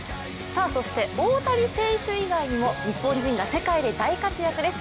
そして、大谷選手以外にも日本人が世界で大活躍です。